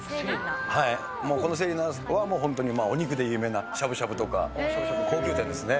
もうこの瀬里奈は、本当にお肉で有名なしゃぶしゃぶとか、高級店ですね。